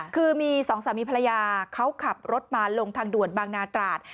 คือมีสองสามีภรรยาเขาขับรถมาลงทางด่วนบางนาตราด